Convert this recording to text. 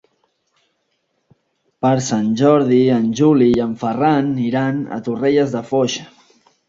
Per Sant Jordi en Juli i en Ferran iran a Torrelles de Foix.